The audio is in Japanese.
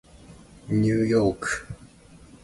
ニューヨーク